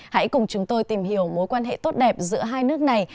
hãy cùng chúng tôi tìm hiểu mối quan hệ tốt đẹp giữa hai nước này